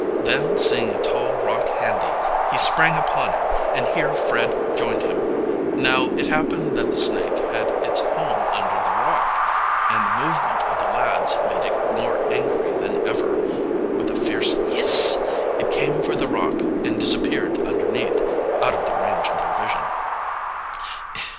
Then, seeing a tall rock handy, he sprang upon it, and here Fred joined him. Now, it happened that the snake had its home under the rock, and the movement of the lads made it more angry than ever. With a fierce hiss it came for the rock and disappeared underneath, out of the range of their vision.